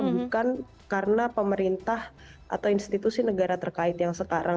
bukan karena pemerintah atau institusi negara terkait yang sekarang